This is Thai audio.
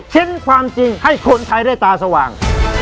เช้นความจริงให้คนไทยได้ตาสว่าง